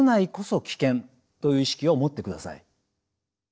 という意識を持ってください。